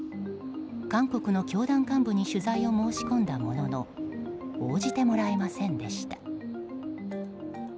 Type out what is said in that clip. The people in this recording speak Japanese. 韓国の教団幹部に取材を申し込んだものの応じてもらえませんでした。